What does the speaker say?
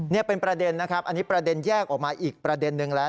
นี่เป็นประเด็นนะครับอันนี้ประเด็นแยกออกมาอีกประเด็นนึงแล้ว